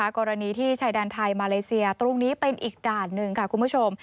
กรณีที่ชายแดนไทยมาเลเซียตรงนี้เป็นอีกด่านหนึ่งค่ะคุณผู้ชม